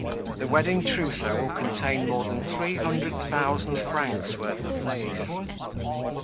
The wedding trousseau will contain more than three hundred thousand francs' worth of lace."